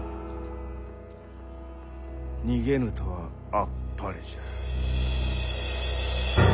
逃げぬとはあっぱれじゃ。